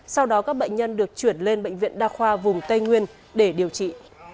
sau đó các bệnh nhân được chuyển lên bệnh viện đa khoa vùng tây nguyên để điều trị